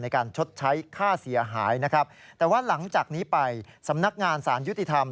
ชดใช้ค่าเสียหายนะครับแต่ว่าหลังจากนี้ไปสำนักงานสารยุติธรรม